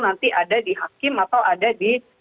nanti ada di hakim atau ada di